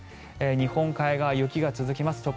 日本海側、雪が続きます。